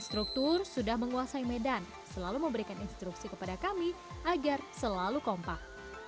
struktur sudah menguasai medan selalu memberikan instruksi kepada kami agar selalu kompak